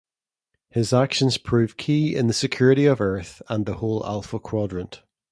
His actions prove key in the security of Earth and the whole Alpha Quadrant.